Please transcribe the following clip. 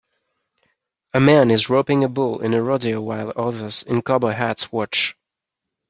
A man is roping a bull in a rodeo while others in cowboy hats watch.